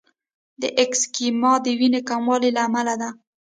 د ایسکیمیا د وینې کموالي له امله ده.